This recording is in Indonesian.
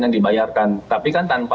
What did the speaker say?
yang dibayarkan tapi kan tanpa